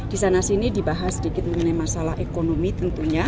di sana sini dibahas sedikit mengenai masalah ekonomi tentunya